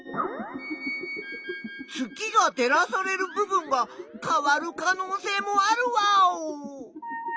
月が照らされる部分が変わる可能性もあるワーオ。